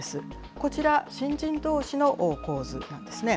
こちら、新人どうしの構図なんですね。